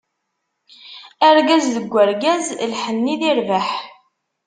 Argaz deg urgaz, lḥenni di rrbeḥ.